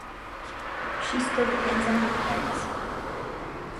She still depends on her parents.